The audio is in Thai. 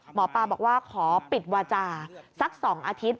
หมอปลาบอกว่าขอปิดวาจาสัก๒อาทิตย์